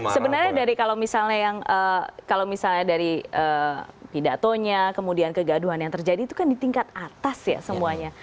sebenarnya dari kalau misalnya yang kalau misalnya dari pidatonya kemudian kegaduhan yang terjadi itu kan di tingkat atas ya semuanya